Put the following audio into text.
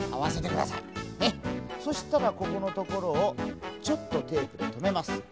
そしたらここのところをちょっとテープでとめます。